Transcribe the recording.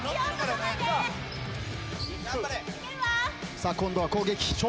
さあ今度は攻撃笑